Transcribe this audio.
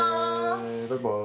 バイバイ。